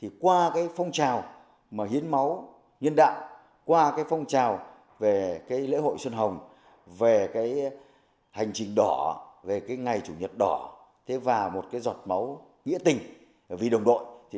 hiến máu nhân đạo qua phong trào về lễ hội xuân hồng hành trình đỏ ngày chủ nhật đỏ và một giọt máu nghĩa tình vì đồng đội